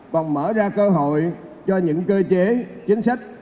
còn mở ra cơ hội cho những cơ chế chính sách